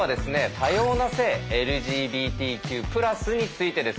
多様な性「ＬＧＢＴＱ＋」についてです。